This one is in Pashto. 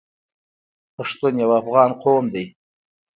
پښتون یو افغان قوم دی.